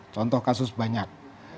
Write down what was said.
contoh kasus banyak